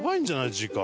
時間。